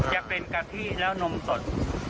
จะเป็นกะพรี่แล้วนมสด๔๐